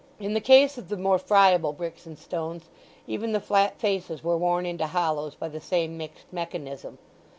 In the case of the more friable bricks and stones even the flat faces were worn into hollows by the same mixed mechanism.